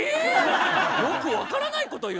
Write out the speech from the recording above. よく分からないこと言ってたわ。